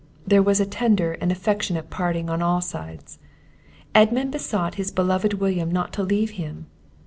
There was a tender and affectionate parting on all sides. Edmund besought his beloved William not to leave him.